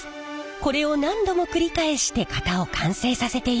これを何度も繰り返して型を完成させているんです。